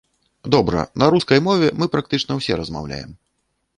Добра, на рускай мове мы практычна ўсе размаўляем.